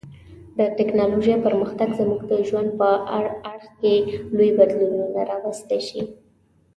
د ټکنالوژۍ پرمختګ زموږ د ژوند په هر اړخ کې لوی بدلونونه راوستي دي.